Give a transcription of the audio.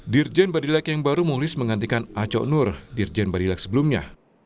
dirjen badilek yang baru mulis menggantikan aco nur dirjen badilak sebelumnya